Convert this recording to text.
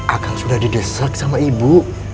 akan sudah didesak sama ibu